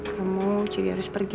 kamu jadi harus pergi